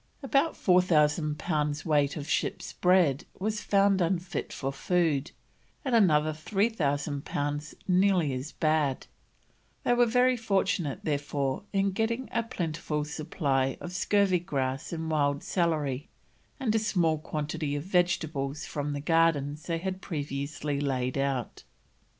About 4000 pounds weight of ship's bread was found unfit for food, and another 3000 pounds nearly as bad; they were very fortunate, therefore, in getting a plentiful supply of scurvy grass and wild celery, and a small quantity of vegetables from the gardens they had previously laid out.